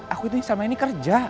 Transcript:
aku ini salma ini kerja